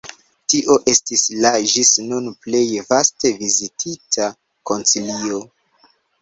Tio estis la ĝis nun plej vaste vizitita koncilio.